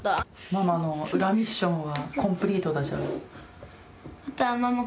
ママの裏ミッションはコンプリートだじゃあ。